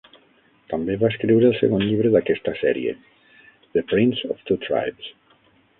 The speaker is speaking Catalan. També va escriure el segon llibre d'aquesta sèrie, The Prince of Two Tribes.